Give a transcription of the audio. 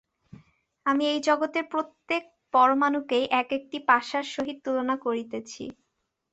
আমি এই জগতের প্রত্যেক পরমাণুকেই এক-একটি পাশার সহিত তুলনা করিতেছি।